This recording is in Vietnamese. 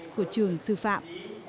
của trường sư phạm